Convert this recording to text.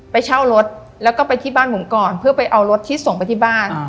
ไปเช่ารถแล้วก็ไปที่บ้านผมก่อนเพื่อไปเอารถที่ส่งไปที่บ้าน